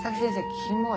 キモい。